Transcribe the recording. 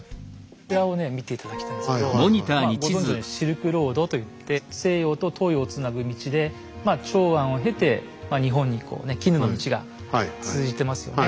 こちらを見て頂きたいんですけどまあご存じのように「シルクロード」と言って西洋と東洋をつなぐ道で長安を経て日本に絹の道が通じてますよね。